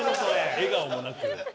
笑顔もなく。